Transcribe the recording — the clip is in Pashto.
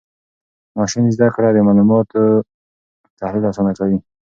ماشین زده کړه د معلوماتو تحلیل آسانه کوي.